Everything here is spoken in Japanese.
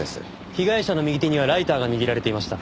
被害者の右手にはライターが握られていました。